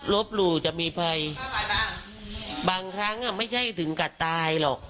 หลู่จะมีภัยบางครั้งไม่ใช่ถึงกับตายหรอก